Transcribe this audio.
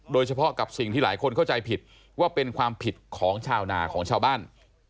โดยเฉพาะกับสิ่งที่หลายคนเข้าใจผิดว่าเป็นความผิดของชาวนาของชาวบ้าน